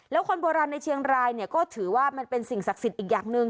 แล้วคนโบราณในเชียงรายเนี่ยก็ถือว่ามันเป็นสิ่งศักดิ์สิทธิ์อีกอย่างหนึ่ง